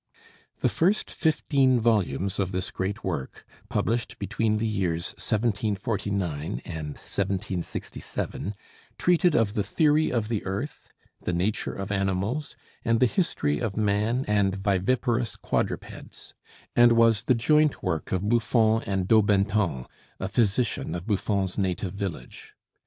The first fifteen volumes of this great work, published between the years 1749 and 1767, treated of the theory of the earth, the nature of animals, and the history of man and viviparous quadrupeds; and was the joint work of Buffon and Daubenton, a physician of Buffon's native village.